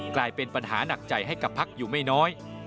กลายเป็นปัญหาหนักใจให้กับพักอยู่ไม่น้อย